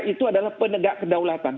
itu adalah penegak kedaulatan